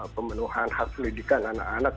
pemenuhan hak pendidikan anak anak